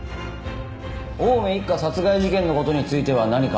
青梅一家殺害事件の事については何か。